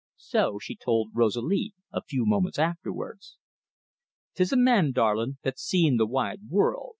So she told Rosalie a few moments afterwards. "'Tis a man, darlin', that's seen the wide wurruld.